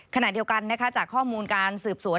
ขณะเดียวกันนะคะจากข้อมูลการสืบสวน